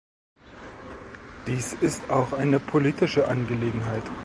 Dies ist auch eine politische Angelegenheit.